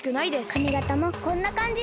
かみがたもこんなかんじです。